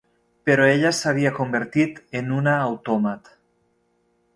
Però ella s'havia convertit en una autòmat.